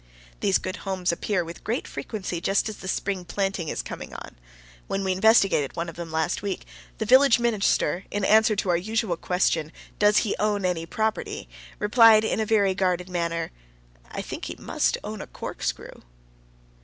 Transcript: These good homes appear with great frequency just as the spring planting is coming on. When we investigated one of them last week, the village minister, in answer to our usual question, "Does he own any property?" replied in a very guarded manner, "I think he must own a corkscrew."